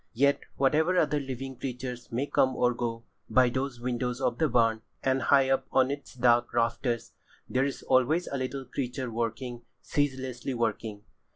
Yet, whatever other living creatures may come or go, by those windows of the barn, and high up on its dark rafters, there is always a living creature working, ceaselessly working.